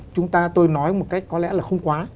chúng ta tôi nói một cách có lẽ là không quá